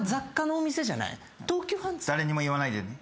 誰にも言わないでね。